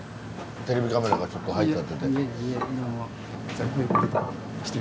テレビカメラがちょっと入っちゃってて。